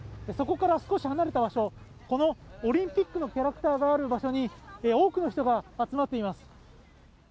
そこから少し離れた場所、オリンピックのキャラクターがある場所に多くの人が集まっています。